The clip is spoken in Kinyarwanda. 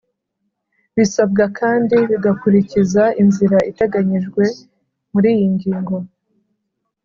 Bisabwa kandi bigakurikiza inzira iteganyijwe muri iyi ngingo